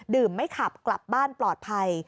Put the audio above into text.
ไม่ขับกลับบ้านปลอดภัย